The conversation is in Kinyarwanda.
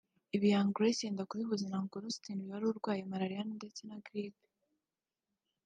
Ibi Young Grace yenda kubihuza na Uncle Austin uyu wari urwaye malariya ndetse na Grippes